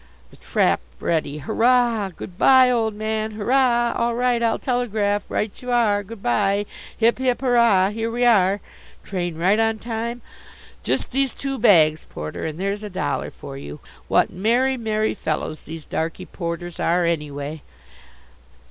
The trap ready! Hurrah! Good bye, old man! Hurrah! All right. I'll telegraph. Right you are, good bye. Hip, hip, hurrah! Here we are! Train right on time. Just these two bags, porter, and there's a dollar for you. What merry, merry fellows these darky porters are, anyway!